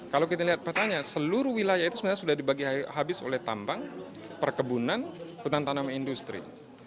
kalau kita lihat petanya seluruh wilayah itu sebenarnya sudah dibagi habis oleh tambang perkebunan hutan tanaman industri